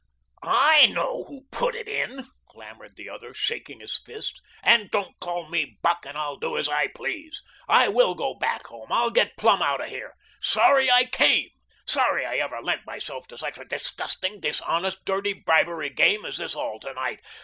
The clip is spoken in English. "I know who put it in," clamoured the other, shaking his fists, "and don't call me Buck and I'll do as I please. I WILL go back home. I'll get plumb out of here. Sorry I came. Sorry I ever lent myself to such a disgusting, dishonest, dirty bribery game as this all to night.